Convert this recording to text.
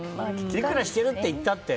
いくら、しているって言ったって。